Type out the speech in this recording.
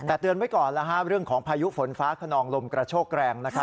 แต่เตือนไว้ก่อนเรื่องของพายุฝนฟ้าขนองลมกระโชกแรง